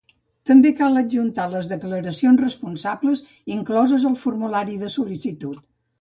També cal adjuntar les declaracions responsables incloses al formulari de sol·licitud.